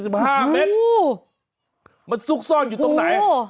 มันซุกซ่อนอยู่ตรงไหน